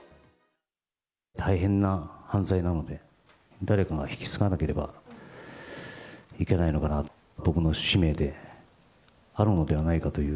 大変な犯罪なので、誰かが引き継がなければいけないのかなと、僕の使命であるのではないかという。